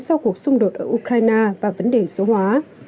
sau cuộc xung đột ở ukraine và vấn đề số hóa